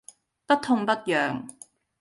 不痛不癢